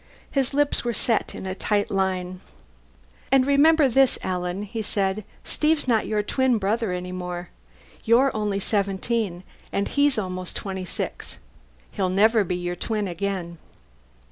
His lips were set in a tight thin line. "And remember this, Alan," he said. "Steve's not your twin brother any more. You're only seventeen, and he's almost twenty six. He'll never be your twin again."